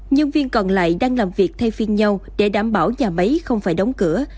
nhân viên còn lại đang làm việc thay phiên nhau để đảm bảo nhà máy không phải đóng cửa